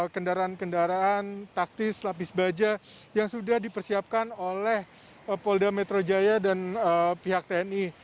kendaraan kendaraan taktis lapis baja yang sudah dipersiapkan oleh polda metro jaya dan pihak tni